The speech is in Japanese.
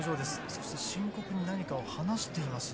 そして深刻に何かを話しています。